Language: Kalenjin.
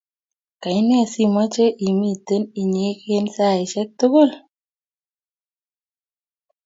kaine simache imiten inyegei saishek tugul?